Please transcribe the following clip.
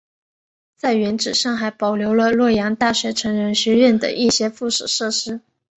在原址上还保留了洛阳大学成人学院等一些附属设施。